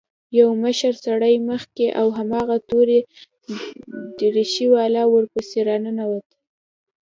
يو مشر سړى مخکې او هماغه تورې دريشۍ والا ورپسې راننوتل.